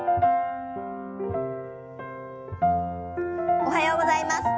おはようございます。